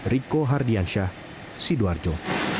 rico hardiansyah sidoarjo